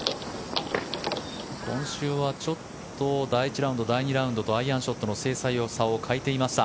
今週はちょっと第１ラウンド第２ラウンドとアイアンショットの精細さを欠いていました。